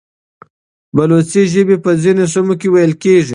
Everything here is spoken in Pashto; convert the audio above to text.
بلوچي ژبه په ځینو سیمو کې ویل کېږي.